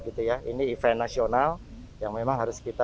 ini event nasional yang memang harus kita